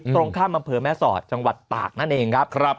ตรงข้ามอำเภอแม่สอดจังหวัดตากนั่นเองครับ